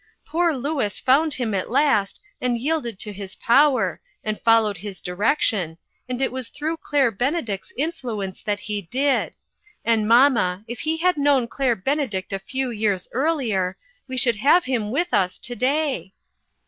Poor Louis found Him at last, and yielded to his power, and followed his direction, and it was through Claire Benedict's influence that he did; and, mamma, if he had known Claire Benedict a few years earlier, we should have him with us to day.